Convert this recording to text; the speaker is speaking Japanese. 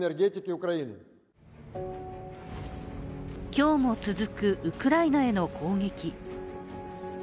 今日も続く、ウクライナへの攻撃。